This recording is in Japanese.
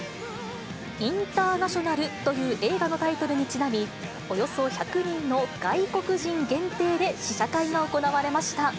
インターナショナルという映画のタイトルにちなみ、およそ１００人の外国人限定で試写会が行われました。